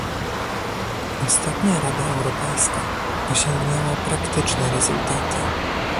Ostatnia Rada Europejska osiągnęła praktyczne rezultaty